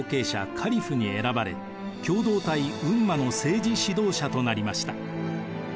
カリフに選ばれ共同体ウンマの政治指導者となりました。